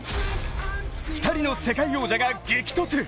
２人の世界王者が激突。